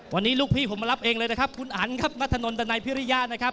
วันนี้ลูกพี่ผมมารับเองเลยนะครับคุณอันครับนัทนดันัยพิริยะนะครับ